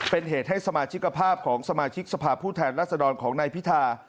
เป็นเหตุให้สมาชิกภาพของสมาชิกสภาพผู้แทนรัศดรของนายพิธา